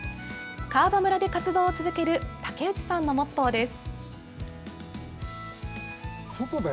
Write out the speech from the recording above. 川場村で活動を続ける竹内さんのモットーです。